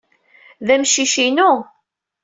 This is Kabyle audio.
D amcic-inu.